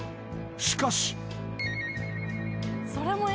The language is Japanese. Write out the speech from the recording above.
［しかし］